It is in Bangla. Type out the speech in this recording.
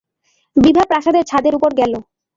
বিভা প্রাসাদের ছাদের উপর গেল।